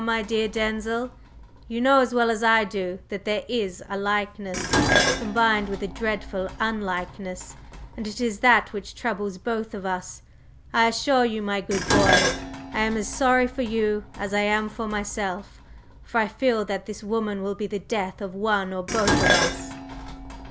My dear Denzil, you know as well as I do that there is a likeness, combined with a dreadful unlikeness; and it is that which troubles both of us. I assure you, my good boy, I am as sorry for you as I am for myself, for I feel that this woman will be the death of one or both of us!"